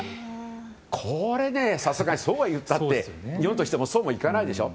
これ、さすがにそうは言ったって日本としてもそうもいかないでしょ。